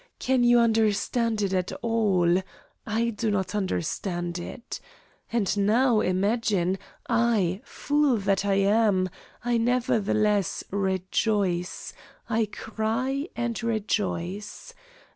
Can you understand it at all? I do not understand it. And, now, imagine, I fool that I am I nevertheless rejoice, I cry and rejoice.